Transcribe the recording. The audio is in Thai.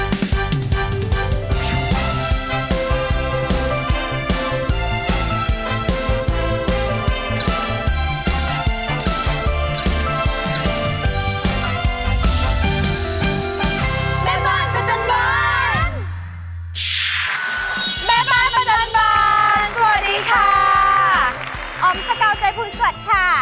อ๋อมสกัวใจผมสวัสดีค่ะ